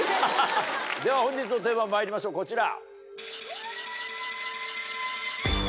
では本日のテーマまいりましょうこちら。